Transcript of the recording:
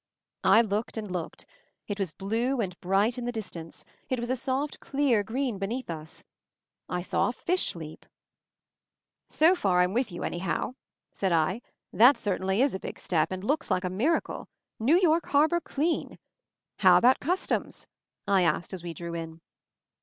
I looked and looked. It was blue and bright in the distance; it was a clear, soft green beneath us. I saw a fish leap " "So far I'm with you, anyhow," said I. "That certainly is a big step — and looks like a miracle. New York harbor clean! ... How about customs ?" I asked as we drew in.